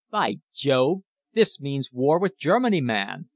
"'By Jove! This means war with Germany, man!